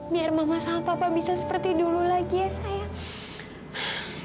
biar mama sama papa bisa seperti dulu lagi ya saya